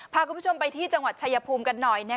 พาคุณผู้ชมไปที่จังหวัดชายภูมิกันหน่อย